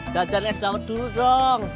jajan es daun dulu dong